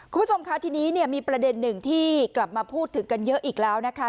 คุณผู้ชมค่ะทีนี้เนี่ยมีประเด็นหนึ่งที่กลับมาพูดถึงกันเยอะอีกแล้วนะคะ